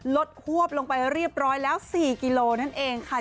รถควบลงไปเรียบร้อยแล้ว๔กิโลนั่นเองค่ะ